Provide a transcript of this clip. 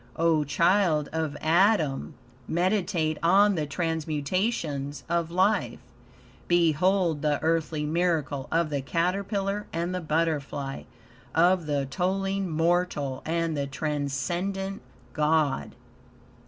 O child of Adam! Meditate on the transmutations of life. Behold the earthly miracle of the caterpillar and the butterfly, of the toiling mortal and the transcendent God!